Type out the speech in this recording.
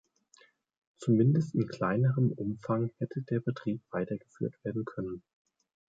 Zumindest in kleinerem Umfang hätte der Betrieb weiter geführt werden können.